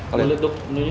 kalau lo duk menu nya